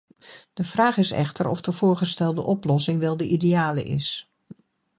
De vraag is echter of de voorgestelde oplossing wel de ideale is.